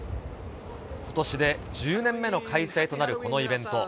ことしで１０年目の開催となるこのイベント。